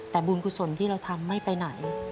แต่บุญกุศลที่เราทำไม่ไปไหน